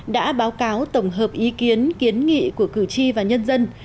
đã báo cáo tổng hợp ý kiến kiến nghị của cử tri và nhân dân